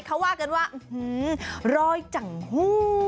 เขาว่ากันว่ารอยจังหู